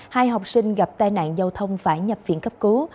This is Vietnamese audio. hai học sinh gặp tai nạn giao thông phải nhập viện cấp cứu